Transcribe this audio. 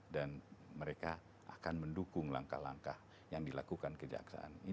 dan mereka akan mendukung langkah langkah yang dilakukan kejaksaan